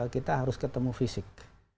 kita harus ketemu fisik